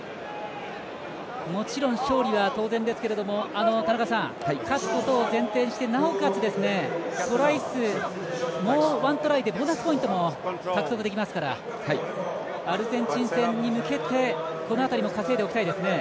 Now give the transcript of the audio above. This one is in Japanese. もちろん、勝利は当然ですけども勝つことを前提にしてなおかつトライ数もう１トライでボーナスポイントも獲得できますからアルゼンチン戦に向けてその辺りも稼いでおきたいですね。